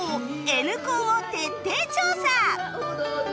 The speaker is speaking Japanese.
Ｎ 高を徹底調査！